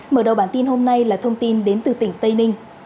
mở đầu bản tin hôm nay là thông tin đến từ tỉnh tây ninh